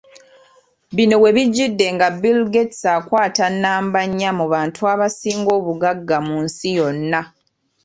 Bino webijjidde nga Bill Gates akwata nnamba nya mu bantu abasinga obugagga mu nsi yonna .